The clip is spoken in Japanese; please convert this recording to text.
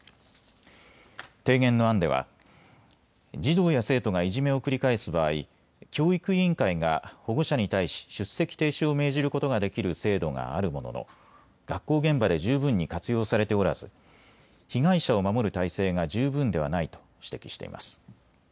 提言の案では児童や生徒がいじめを繰り返す場合、教育委員会が保護者に対し出席停止を命じることができる制度があるものの、学校現場で十分に活用されておらず被害者を守る体制が十分ではないと指摘しています。